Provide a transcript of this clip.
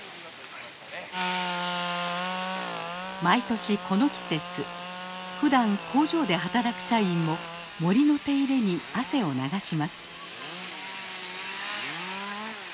毎年この季節ふだん工場で働く社員も森の手入れに汗を流します。